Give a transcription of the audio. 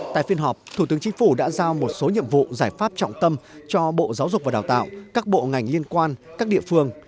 tại phiên họp thủ tướng chính phủ đã giao một số nhiệm vụ giải pháp trọng tâm cho bộ giáo dục và đào tạo các bộ ngành liên quan các địa phương